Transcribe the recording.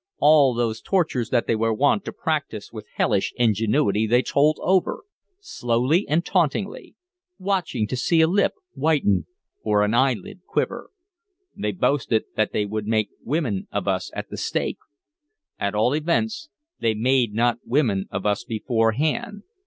All those tortures that they were wont to practice with hellish ingenuity they told over, slowly and tauntingly, watching to see a lip whiten or an eyelid quiver. They boasted that they would make women of us at the stake. At all events, they made not women of us beforehand.